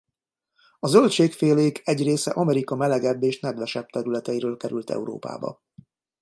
A zöldségfélék egy része Amerika melegebb és nedvesebb területeiről került Európába.